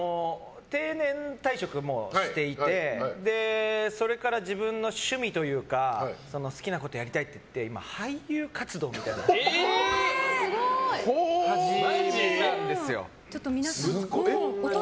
定年退職をしていてそれから自分の趣味というか好きなことをやりたいって言って今、俳優活動みたいなのを始めたんですよ。